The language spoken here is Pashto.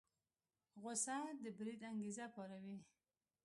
غوسه د بريد انګېزه پاروي.